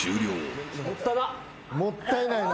もったいないな。